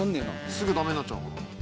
すぐダメになっちゃうのかな。